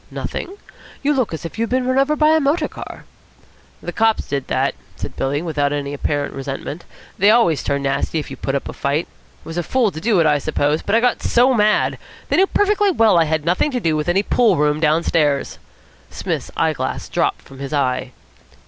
"Nothing! You look as if you had been run over by a motor car." "The cops did that," said Billy, without any apparent resentment. "They always turn nasty if you put up a fight. I was a fool to do it, I suppose, but I got so mad. They knew perfectly well that I had nothing to do with any pool room downstairs." Psmith's eye glass dropped from his eye.